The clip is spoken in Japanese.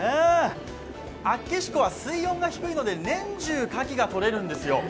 厚岸湖は水温が低いので年中、牡蠣がとれるんですよ。